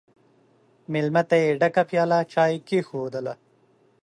مېلمه ته یې ډکه پیاله چای کښېښودله!